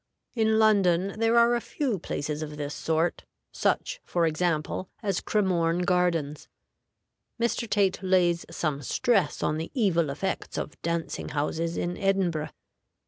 In London there are a few places of this sort, such, for example, as Cremorne Gardens. Mr. Tait lays some stress on the evil effects of dancing houses in Edinburgh.